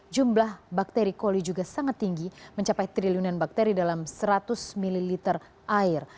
jumlah bakteri koli juga sangat tinggi mencapai triliunan bakteri dalam seratus ml air